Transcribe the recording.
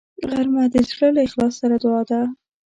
غرمه د زړه له اخلاص سره دعا ده